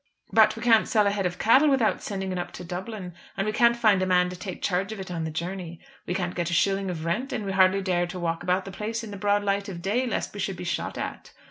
"But we can't sell a head of cattle without sending it up to Dublin. And we can't find a man to take charge of it on the journey. We can't get a shilling of rent, and we hardly dare to walk about the place in the broad light of day lest we should be shot at.